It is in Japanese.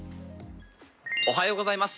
おはようございます。